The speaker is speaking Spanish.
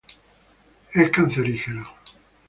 Es cancerígeno.